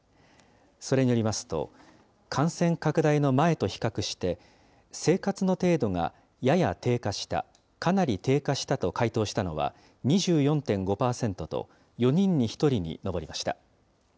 それによりますと、感染拡大の前と比較して生活の程度がやや低下した、かなり低下したと回答したのは２４．５％と、４人に１人に上りました。